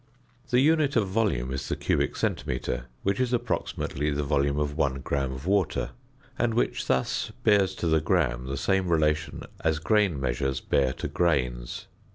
The unit of volume is the cubic centimetre, which is approximately the volume of 1 gram of water, and which thus bears to the gram the same relation as grain measures bear to grains.